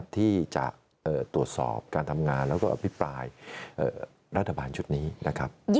ที่จะตรวจสอบการทำงานแล้วก็อภิปรายรัฐบาลชุดนี้นะครับ